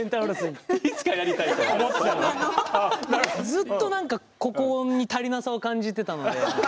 ずっと何かここに足りなさを感じてたので。